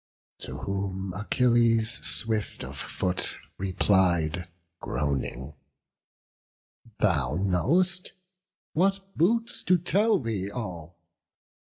To whom Achilles, swift of foot, replied, Groaning, "Thou know'st; what boots to tell thee all?